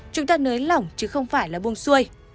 chúng ta nới lỏng chứ không phải là buông xuôi